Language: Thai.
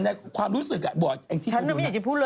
ไม่รู้นะความรู้สึกของหนูนะ